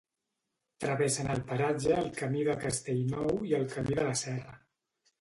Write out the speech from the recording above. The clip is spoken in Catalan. Travessen el paratge el Camí de Castellnou i el Camí de la Serra.